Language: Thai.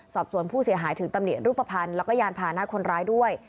สอบสวนผู้เสียหายถึงตำหนิรูปภัณฑ์แล้วก็ยานพานะคนร้ายด้วย